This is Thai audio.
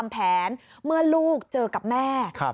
เหมือนกับหมูแมว